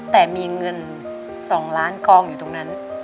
แต่มีเงิน๒ล้านกองอยู่ตรงนั้น